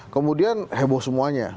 kemudian heboh semuanya